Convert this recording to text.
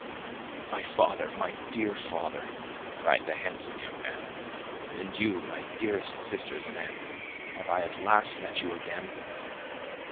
"My father! my dear father!"—cried the handsome young man; "and you, my dearest sisters and aunt!—have I at last met you again?"